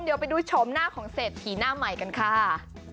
เดี๋ยวไปดูชมหน้าของเศรษฐีหน้าใหม่กันค่ะ